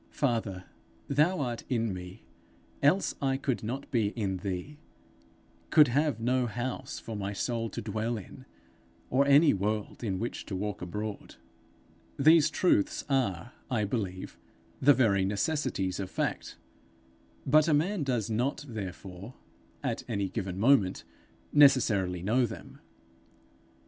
Father, thou art in me, else I could not be in thee, could have no house for my soul to dwell in, or any world in which to walk abroad,' These truths are, I believe, the very necessities of fact, but a man does not therefore, at a given moment, necessarily know them.